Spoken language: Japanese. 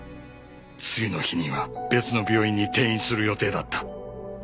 次の日には別の病院に転院する予定だった。